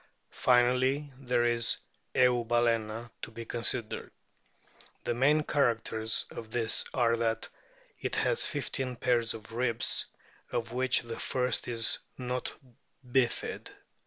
Finally, there is Eubalcena to be considered. The main characters of this are that it has fifteen pairs of ribs, of which the first is not bifid.